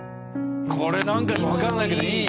これ何か分かんないけどいい！